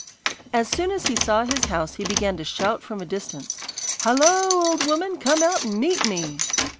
As soon as he saw his house he began to shout from a distance, 'Hallo! old woman! Come out and meet me!